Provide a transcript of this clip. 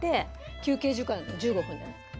休憩時間１５分じゃないですか。